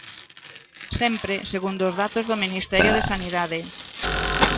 Sempre, segundo os datos do Ministerio de Sanidade.